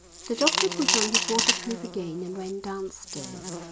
The doctor put on his waterproof again and went downstairs.